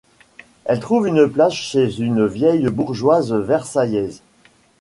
Elle trouve une place chez une vieille bourgeoise versaillaise.